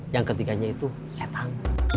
yang ketiganya itu setan